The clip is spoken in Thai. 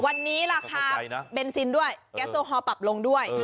วันนี้ราคาเบนซินด้วยแก๊สโอฮอลปรับลงด้วย